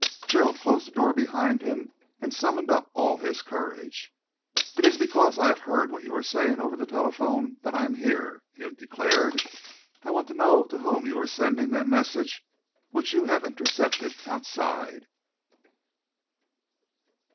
Gerald closed the door behind him and summoned up all his courage. "It is because I have heard what you were saying over the telephone that I am here," he declared. "I want to know to whom you were sending that message which you have intercepted outside."